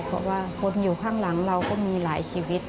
เพราะว่าคนอยู่ข้างหลังเราก็มีหลายชีวิต